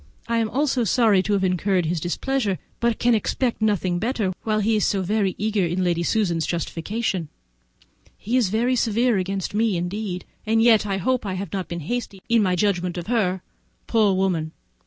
I am sorry to have incurred his displeasure, but can expect nothing better while he is so very eager in Lady Susan's justification. He is very severe against me indeed, and yet I hope I have not been hasty in my judgment of her. Poor woman!